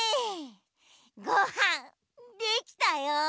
ごはんできたよ。